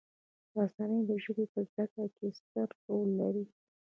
رسنۍ د ژبې په زده کړې کې ستر رول لري.